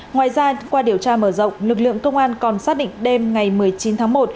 ngoài ra qua điều tra mở rộng lực lượng công an còn xác định đêm ngày một mươi chín tháng một